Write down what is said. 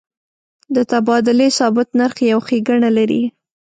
د تبادلې ثابت نرخ یو ښیګڼه لري.